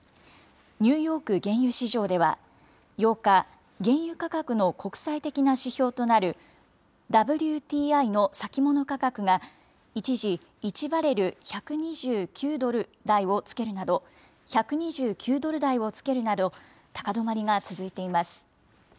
ニューヨーク原油市場では、８日、原油価格の国際的な指標となるＷＴＩの先物価格が一時１バレル１２９ドル台をつけるなど、１２９ドル台をつけるなど、高止まりが続いています。